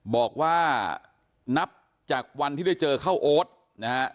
บอกว่านับจากวันที่ได้เจอข้าวโอ๊ตนะฮะ